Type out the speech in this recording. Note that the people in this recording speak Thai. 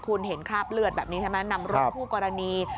คุณเห็นคราบเลือดแบบนี้ใช่ไหมนำรถคู่กรณี